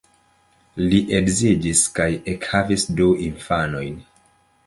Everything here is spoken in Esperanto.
Li edziĝis kaj ekhavis du infanojn.